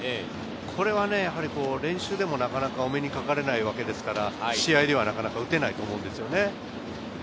これは練習でもなかなかお目にかかれないわけですから、試合ではなかなか打てないものですよね。